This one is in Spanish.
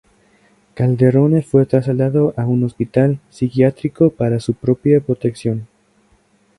Calderone fue trasladado a un hospital psiquiátrico para su propia protección.